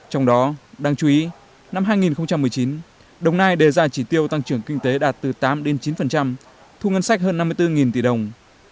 trong đó đáng chú ý năm hai nghìn một mươi chín đồng nai đề ra chỉ tiêu tăng trưởng kinh tế đạt từ tám chín thu ngân sách hơn năm mươi bốn tỷ đồng